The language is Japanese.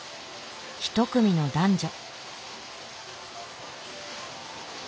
一組の男女。